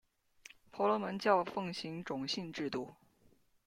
婆罗门教奉行种姓制度。